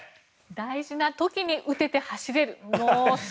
大事な時に打てて走れる。